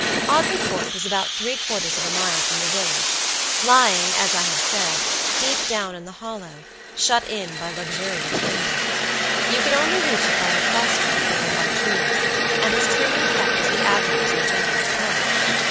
Audley Court was about three quarters of a mile from the village, lying, as I have said, deep down in the hollow, shut in by luxuriant timber. You could only reach it by a cross road bordered by trees, and as trimly kept as the avenues in a gentleman's park.